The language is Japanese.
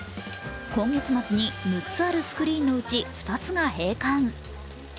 今月末に、６つあるスクリーンのうち、２つが閉館。